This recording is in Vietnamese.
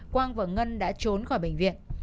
quang và ngân đã trốn khỏi bệnh viện